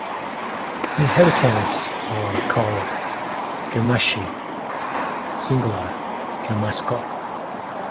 Inhabitants are called "cremaschi", singular "cremasco".